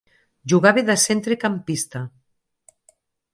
Jugava de centrecampista.